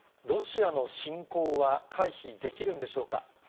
ロシアの侵攻は回避できるんでしょうか。